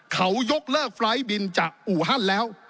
เขายกเลิกไฟล์ทบินจากอูฮันแล้ว